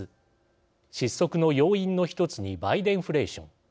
失速の要因の１つにバイデンフレーション。